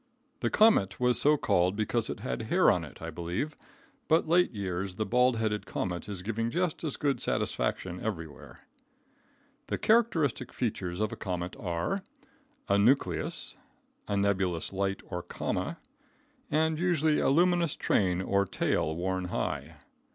The comet was so called because it had hair on it, I believe, but late years the bald headed comet is giving just as good satisfaction everywhere. The characteristic features of a comet are: A nucleus, a nebulous light or coma, and usually a luminous train or tail worn high.